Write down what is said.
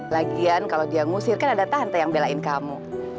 lagian kalau dia ngusir kan ada tante yang belain kamu